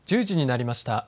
１０時になりました。